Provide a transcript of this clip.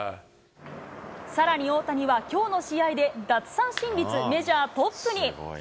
さらに大谷は、きょうの試合で奪三振率、メジャートップに。